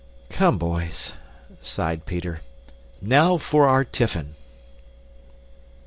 "Come, boys," sighed Peter, "now for our tiffin!"